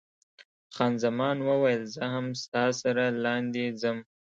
خان زمان وویل، زه هم ستا سره لاندې ځم.